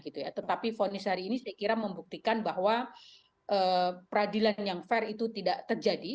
tetapi fonis hari ini saya kira membuktikan bahwa peradilan yang fair itu tidak terjadi